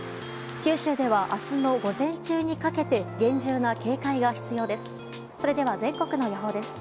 九州では明日の午前中にかけて厳重な警戒が必要です。